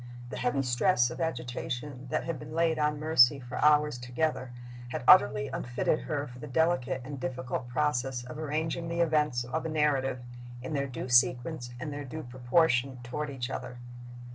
The heavy stress of agitation that had been laid on Mercy for hours together had utterly unfitted her for the delicate and difficult process of arranging the events of a narrative in their due sequence and their due proportion toward each other.